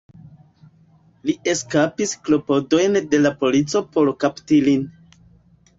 Li eskapis klopodojn de la polico por kapti lin.